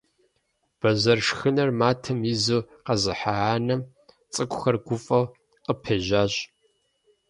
Бэзэр шхыныр матэм изу къэзыхьа анэм цӀыкӀухэр гуфӀэу къыпежьащ.